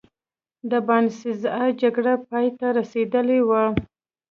د باینسزا جګړه پایته رسېدلې وه.